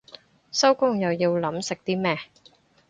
收工又要諗食啲乜